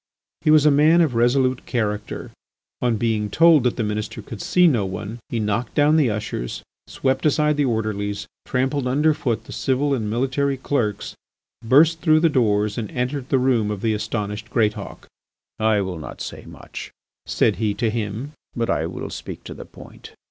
He was a man of resolute character. On being told that the Minister could see no one he knocked down the ushers, swept aside the orderlies, trampled under foot the civil and military clerks, burst through the doors, and entered the room of the astonished Greatauk. "I will not say much," said he to him, "but I will speak to the point.